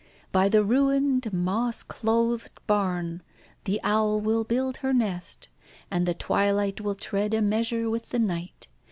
By the ruined, moss clothed barn the owl will build her nest, and the twilight will tread a measure with the night.